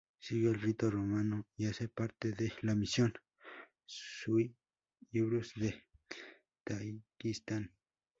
Sigue el rito romano y hace parte de la misión "sui iuris" de Tayikistán.